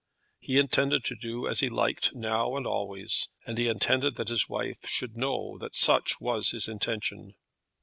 He intended to do as he liked now and always, and he intended that his wife should know that such was his intention.